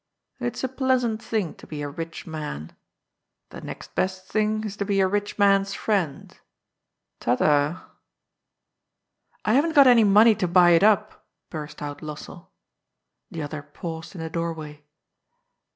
It's a pleasant thing to be a rich man. The next best thing is to be a rich man's friend. Ta, ta." "I haven't got any money to bny it np," burst out Lossell. The other paused in the doorway.